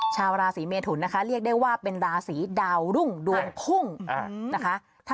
ชาวราศีเมทุนนะคะเรียกได้ว่าเป็นราศีดาวรุ่งดวงพุ่งนะคะ